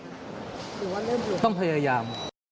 หรือว่าเริ่มหยุดหรือเปล่าต้องพยายาม